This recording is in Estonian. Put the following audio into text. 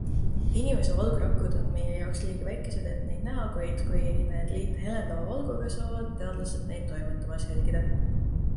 Inimese valgurakud on meie jaoks liiga väikesed, et neid näha, kuid kui need liita helendava valguga, saavad teadlased neid toimetamas jälgida.